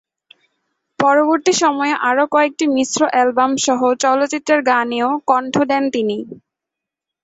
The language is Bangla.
পরবর্তী সময়ে আরও কয়েকটি মিশ্র অ্যালবামসহ চলচ্চিত্রের গানেও কণ্ঠ দেন তিনি।